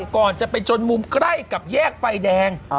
ก่อนจะไปจนมุมใกล้กับแยกไฟแดง